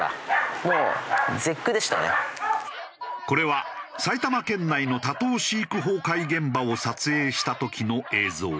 これは埼玉県内の多頭飼育崩壊現場を撮影した時の映像。